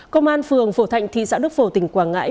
công an phường phổ thạnh thị xã đức phổ tỉnh quảng ngãi